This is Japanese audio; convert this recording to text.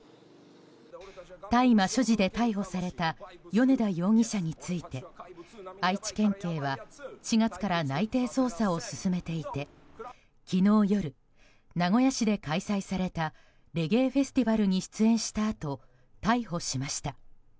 大麻所持で逮捕された米田容疑者について愛知県警は４月から内偵捜査を進めていて昨日夜、名古屋市で開催されたレゲエフェスティバルに出演したあと逮捕しました。